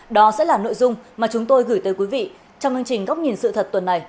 đó sẽ là nội dung mà chúng tôi gửi tới quý vị trong hương trình góc nhìn sự thật tuần này